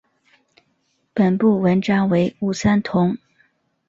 本部纹章为五三桐。